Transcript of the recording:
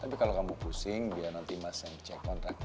tapi kalau kamu pusing biar nanti mas yang cek kontrak